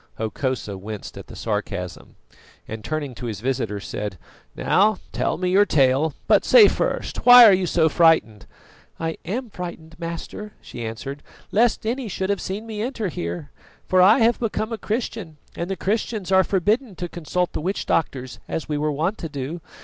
Hokosa winced at the sarcasm, and turning to his visitor, said: "Now tell me your tale; but say first, why are you so frightened?" "I am frightened, master," she answered, "lest any should have seen me enter here, for I have become a Christian, and the Christians are forbidden to consult the witch doctors, as we were wont to do.